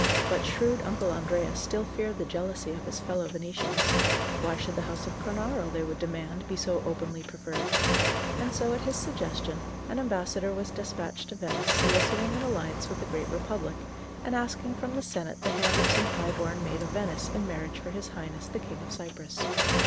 But shrewd Uncle Andrea still feared the jealousy of his fellow Venetians. Why should the house of Cornaro, they would demand, be so openly preferred? And so, at his suggestion, an ambassador was despatched to Venice soliciting an alliance with the Great Republic, and asking from the senate the hand of some high born maid of Venice in marriage for his highness, the King of Cyprus.